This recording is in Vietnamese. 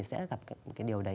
sẽ gặp cái điều đấy